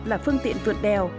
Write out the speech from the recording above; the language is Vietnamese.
là phương tiện vượt đèo